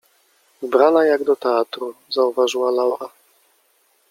— Ubrana jak do teatru — zauważyła Laura.